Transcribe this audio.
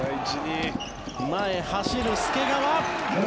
前、走る介川。